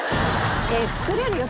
作れるよ？